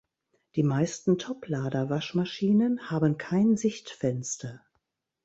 Die meisten Toplader-Waschmaschinen haben kein Sichtfenster.